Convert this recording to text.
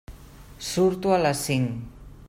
Surto a les cinc.